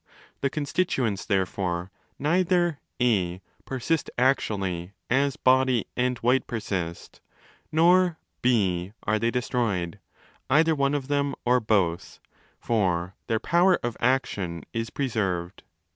The constituents, therefore, neither (a) persist actually, as 'body' and 'white' persist: nor (6) are they destroyed (either one of them or both), for their 'power of action'? is preserved.